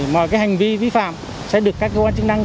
mọi hành vi vi phạm sẽ được các cơ quan chức năng